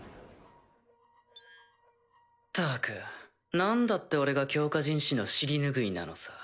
ったくなんだって俺が強化人士の尻拭いなのさ。